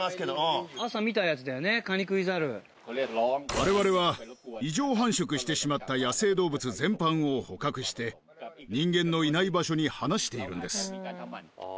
・我々は異常繁殖してしまった野生動物全般を捕獲して人間のいない場所に放しているんです。